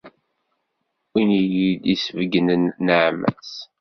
Win i iyi-d-isbeyynen nneɛma-s.